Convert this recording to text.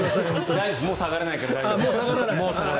もう下がらないから大丈夫です。